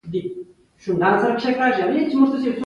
باز د ښکار د هنر شاه دی